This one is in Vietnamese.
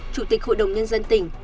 chủ tịch hội đồng nhân dân tỉnh